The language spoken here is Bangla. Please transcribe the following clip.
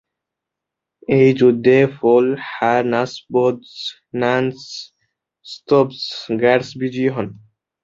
এই যুদ্ধে ফো-ল্হা-নাস-ব্সোদ-নাম্স-স্তোব্স-র্গ্যাস বিজয়ী হন।